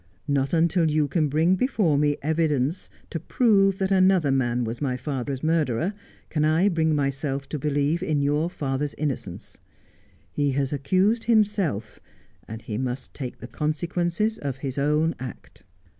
Not until you can bring before me evidence to prove that another man was my father's murderer can I bring myself to believe in your father's innocence. He has accused himself ; and he must take the consequences of his own act.'